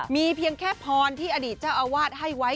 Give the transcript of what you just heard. มีเพียงแค่พรที่อดีตเจ้าอาวาสให้ไว้